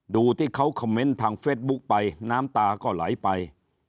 ดูที่เขาคอมเมนต์ทางเฟสบุ๊กไปน้ำตาก็ไหลไป